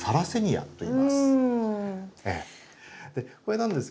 はい。